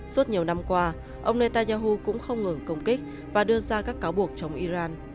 suốt nhiều năm qua ông netanyahu cũng không ngừng công kích và đưa ra các cáo buộc chống iran